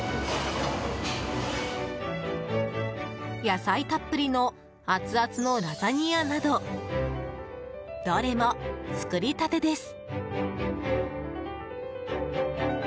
野菜たっぷりのアツアツのラザニアなどどれも作りたてです。